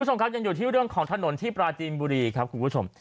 คุณผู้ชมครับยังอยู่ที่เรื่องของถนนที่ปราจีนบุรีครับคุณผู้ชม